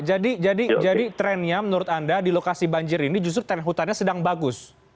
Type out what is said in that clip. jadi trennya menurut anda di lokasi banjir ini justru tren hutannya sedang bagus